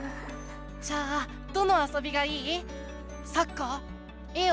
じゃあどのあそびがいい？